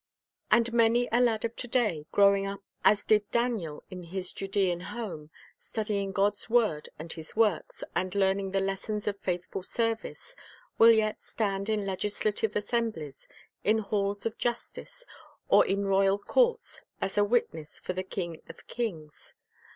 And many a lad of to day, growing up as did Daniel in his Judean home, studying God's word and His works, and learning the lessons of faithful service, will yet stand in legislative assemblies, in halls of justice, or in royal courts, as a witness for the King of kings.